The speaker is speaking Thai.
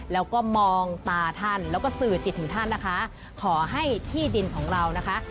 แล้วก็มองตาท่านแล้วก็สื่อจิตถึงท่านนะคะขอให้ที่ดินของเรานะคะ